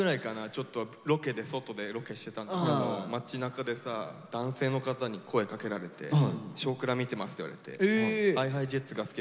ちょっと外でロケしてたんだけど街なかでさ男性の方に声かけられて「『少クラ』見てます」って言われてえ？ＨｉＨｉＪｅｔｓですか？